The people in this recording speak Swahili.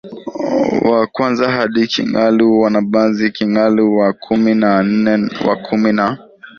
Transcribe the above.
wa kwanza hadi Kingalu Mwanabanzi Kingalu wa kumi na nne na wa kumi na